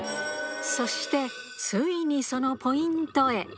そして、ついにそのポイントへ。